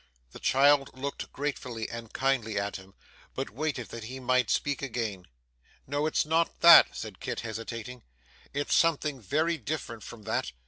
The child looked gratefully and kindly at him, but waited that he might speak again. 'No, it's not that,' said Kit hesitating, 'it's something very different from that.